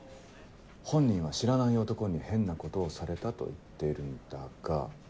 本人は「知らない男に変なことをされた」と言っているんだが。